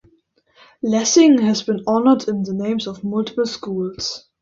Lessing has been honored in the names of multiple schools.